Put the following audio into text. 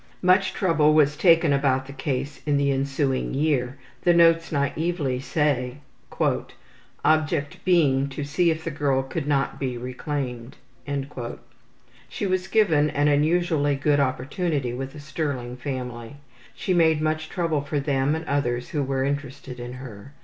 Much trouble was taken about the case in the ensuing year, the notes naively say, ``object being to see if the girl could not be reclaimed.'' She was given an unusually good opportunity with a sterling family. She made much trouble for them and others who were interested in her.